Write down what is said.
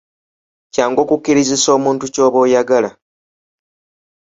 Kyangu okukkirizisa omuntu ky'oba oyagala.